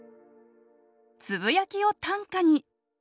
「つぶやきを短歌に」